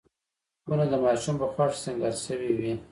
خونه د ماشوم په خوښه سینګار شوې وي.